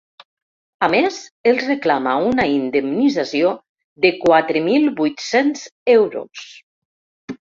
A més, els reclama una indemnització de quatre mil vuit-cents euros.